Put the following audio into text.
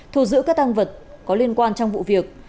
thu giữ các tăng vật có liên quan trong vụ việc